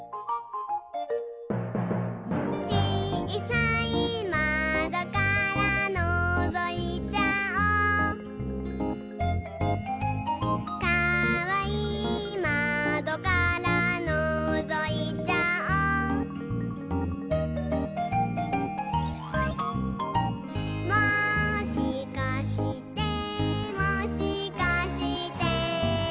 「ちいさいまどからのぞいちゃおう」「かわいいまどからのぞいちゃおう」「もしかしてもしかして」